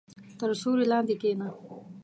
• تر سیوري لاندې کښېنه.